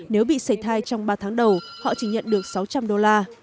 nếu bị xảy thai trong ba tháng đầu họ chỉ nhận được sáu trăm linh đô la